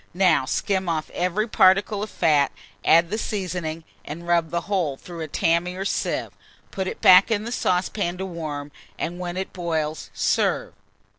Now skim off every particle of fat, add the seasoning, and rub the whole through a tammy or sieve; put it back in the saucepan to warm, and when it boils, serve.